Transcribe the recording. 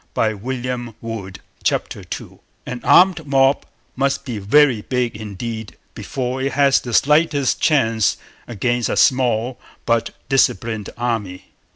CHAPTER II OPPOSING FORCES An armed mob must be very big indeed before it has the slightest chance against a small but disciplined army.